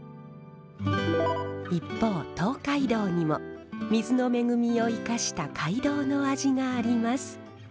一方東海道にも水の恵みを生かした街道の味があります。